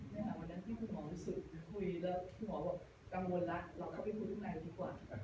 ในหลังวันนั้นที่คุณหมอรู้สึกคุยแล้วคุณหมอกังวลละเราเข้าไปคุยข้างในดีกว่า